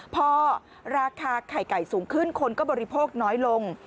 พอราคาไข่ไก่สูงขึ้นคนก็บริโภคน้อยลง